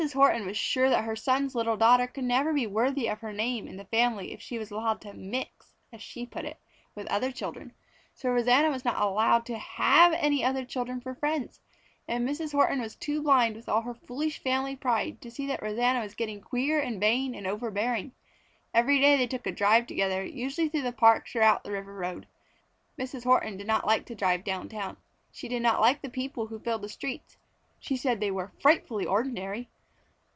Horton was sure that her son's little daughter could never be worthy of her name and family if she was allowed to "mix," as she put it, with other children. So Rosanna was not allowed to have any other children for friends, and Mrs. Horton was too blind with all her foolish family pride to see that Rosanna was getting queer and vain and overbearing. Every day they took a drive together, usually through the parks or out the river road. Mrs. Horton did not like to drive down town. She did not like the people who filled the streets. She said they were "frightfully ordinary."